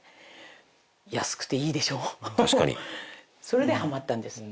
それでハマったんです。